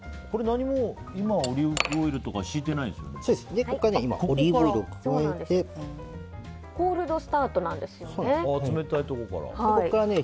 何も今はオリーブオイルとかひいてないですよね。